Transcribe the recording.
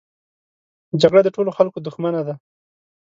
جګړه د ټولو خلکو دښمنه ده